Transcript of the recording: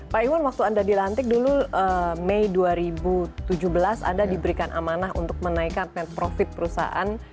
pak iwan waktu anda dilantik dulu mei dua ribu tujuh belas anda diberikan amanah untuk menaikkan net profit perusahaan